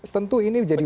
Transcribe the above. tentu ini jadi